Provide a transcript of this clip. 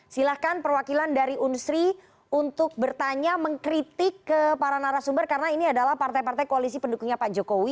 silahkan perwakilan dari unsri untuk bertanya mengkritik ke para narasumber karena ini adalah partai partai koalisi pendukungnya pak jokowi